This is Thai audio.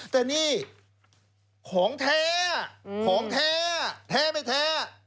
แต่นี่ของแท้ของแท้แท้ไม่แท้